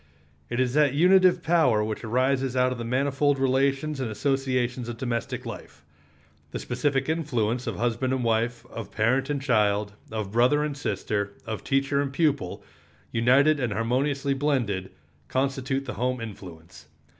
It is that unitive power which arises out of the manifold relations and associations of domestic life. The specific influence of husband and wife, of parent and child, of brother and sister, of teacher and pupil, united and harmoniously blended, constitute the home influence.